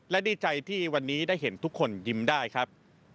และดีใจที่วันนี้ได้เห็นทุกคนยิ้มได้ครับ